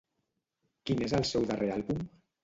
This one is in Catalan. Quin és el seu darrer àlbum?